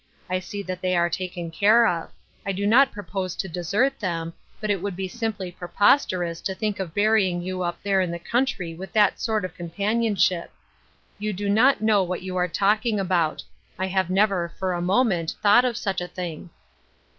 I see that they are taken care of ; I do not propose to desert them, but it would be simply preposterous to think of burying you up there in the country vrith that sort of companionship ! You do not Shadowed Joys, 257 know what you are talking about. I have never for a moment, thought of such a thing."